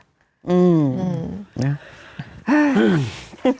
อืม